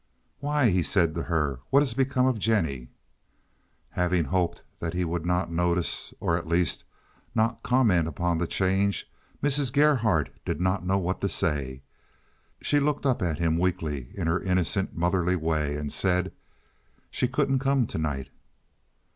"Why," he said to her, "what has become of Jennie?" Having hoped that he would not notice, or, at least, not comment upon the change, Mrs. Gerhardt did not know what to say. She looked up at him weakly in her innocent, motherly way, and said, "She couldn't come to night."